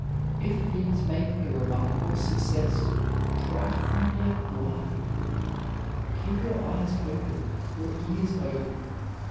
If he is making a remarkable success, try to find out why. Keep your eyes open, your ears open.